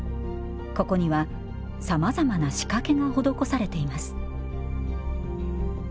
ここにはさまざまな仕掛けが施されています